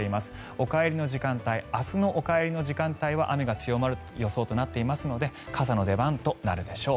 お帰りの時間帯明日のお帰りの時間帯は雨が強まる予想となっていますので傘の出番となるでしょう。